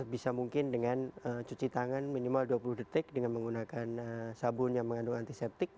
bisa mungkin dengan cuci tangan minimal dua puluh detik dengan menggunakan sabun yang mengandung antiseptik